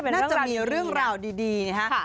น่าจะมีเรื่องราวดีนะฮะ